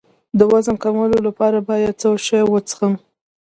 د وزن کمولو لپاره باید څه شی وڅښم؟